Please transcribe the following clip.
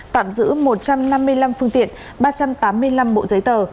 tạm giữ một trăm năm mươi năm phương tiện ba trăm tám mươi năm bộ giấy tờ